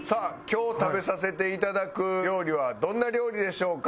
今日食べさせて頂く料理はどんな料理でしょうか？